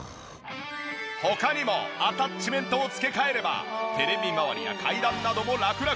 他にもアタッチメントを付け替えればテレビ周りや階段などもラクラク！